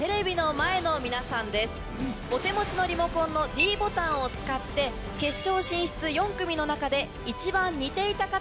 お手持ちのリモコンのｄボタンを使って決勝進出４組の中で。